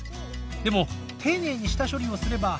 でも、丁寧に下処理をすれば。